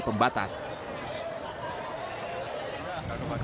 bagaimana cara membuatnya